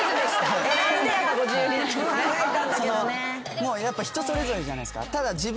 もうやっぱ人それぞれじゃないですかただ。